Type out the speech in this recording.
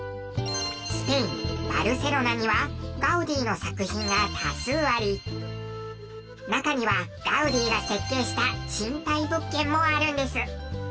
スペインバルセロナにはガウディの作品が多数あり中にはガウディが設計した賃貸物件もあるんです！